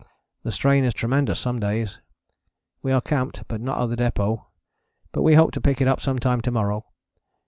The strain is tremendous some days. We are camped, but not at the depôt, but we hope to pick it up some time to morrow.